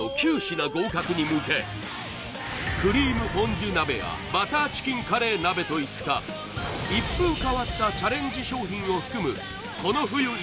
クリームフォンデュ鍋やバターチキンカレー鍋といった一風変わったチャレンジ商品を含む